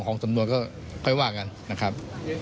ก็จะถือว่าเป็นตัวอย่างก็ได้นะครับ